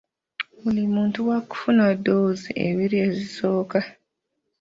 Buli muntu wa kufuna ddoozi ebbiri ezisooka.